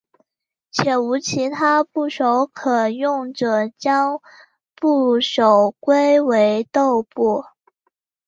且无其他部首可用者将部首归为豆部。